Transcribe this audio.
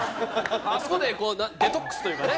あそこでデトックスというかね。